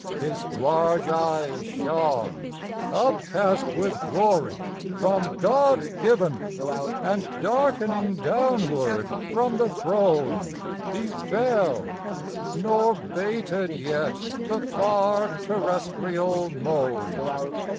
His large eyes shone, Upcast with glory from God given, And darkening downward from the Throne He fell: nor bated yet the far terrestrial moan.